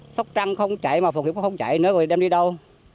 sóc trăng không chạy mà phòng hiệp quốc không chạy nữa rồi đem đi đâu